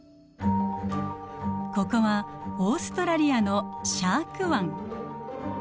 ここはオーストラリアのシャーク湾。